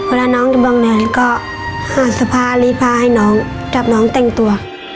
เวลาน้องกำลังเดินก็หาสภาพรีพาให้น้องจับน้องแต่งตัว